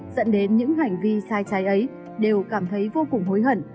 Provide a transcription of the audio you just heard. dẫn đến những hành vi sai trái ấy đều cảm thấy vô cùng hối hận